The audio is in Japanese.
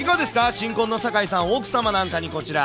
新婚の坂井さん、奥様なんかに、こちら。